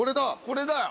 これだよ。